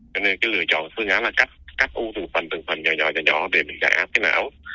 cho nên cái lựa chọn tương án là cắt u từ phần từ phần nhỏ nhỏ nhỏ nhỏ để mình gã cái não